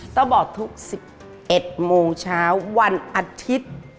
ต้องบอกทุก๑๑โมงเช้าวันอาทิตย์